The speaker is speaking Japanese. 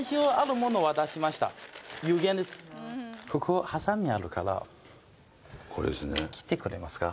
ここハサミあるからこれですね切ってくれますか？